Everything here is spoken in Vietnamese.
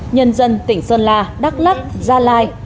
nhân dân tỉnh sơn la đắk lắc gia lai